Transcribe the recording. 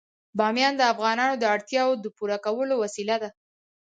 بامیان د افغانانو د اړتیاوو د پوره کولو وسیله ده.